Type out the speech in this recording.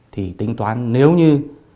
thì tính toán nếu như